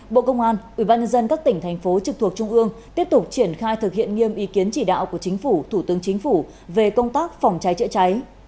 bộ công an ubnd các tỉnh thành phố trực thuộc trung ương tiếp tục triển khai thực hiện nghiêm ý kiến chỉ đạo của chính phủ thủ tướng chính phủ về công tác phòng cháy chữa cháy